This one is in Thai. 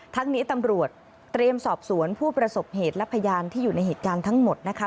ทั้งนี้ตำรวจเตรียมสอบสวนผู้ประสบเหตุและพยานที่อยู่ในเหตุการณ์ทั้งหมดนะคะ